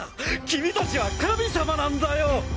君たちは神様なんだよ！